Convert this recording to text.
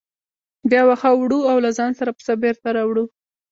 بیا واښه وړو او له ځانه سره پسه بېرته راوړو.